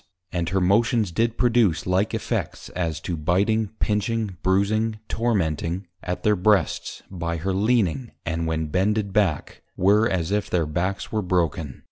And her motions did produce like effects, as to Biting, Pinching, Brusing, Tormenting, at their Breasts, by her Leaning, and when bended back, were as if their Backs were broken.